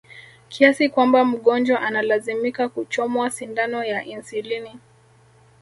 kiasi kwamba mgonjwa analazimika kuchomwa sindano ya insulini